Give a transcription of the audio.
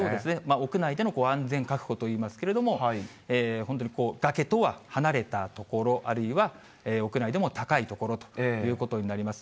屋内での安全確保といいますけれども、本当に崖とは離れた所、あるいは、屋内でも高い所ということになります。